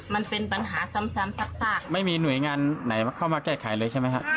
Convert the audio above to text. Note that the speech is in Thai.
มันเป็นปัญหาซ้ำซากไม่มีหน่วยงานไหนเข้ามาแก้ไขเลยใช่ไหมฮะ